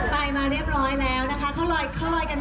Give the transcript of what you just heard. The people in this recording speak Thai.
ไปมาเรียบร้อยแล้วนะคะเขาลอยกันตรงไหนเอ่ย